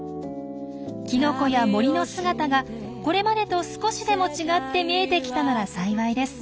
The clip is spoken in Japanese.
キノコや森の姿がこれまでと少しでも違って見えてきたなら幸いです。